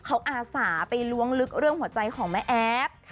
เขาอาสาไปล้วงลึกเรื่องหัวใจของแม่แอฟ